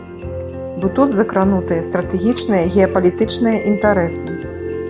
Бо тут закранутыя стратэгічныя геапалітычныя інтарэсы.